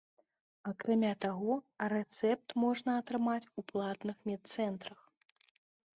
Акрамя таго, рэцэпт можна атрымаць у платных медцэнтрах.